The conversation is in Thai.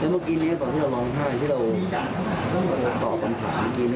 เมื่อกี้นี้ตอนที่เราร้องท่ายที่เราต่อปัญหาเมื่อกี้นี้